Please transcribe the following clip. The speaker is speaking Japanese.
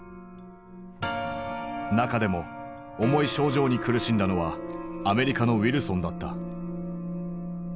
中でも重い症状に苦しんだのはアメリカのウィルソンだった。